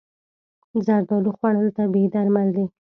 زردالو خوړل طبیعي درمل دي.